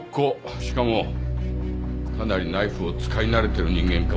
しかもかなりナイフを使い慣れてる人間かもしれない。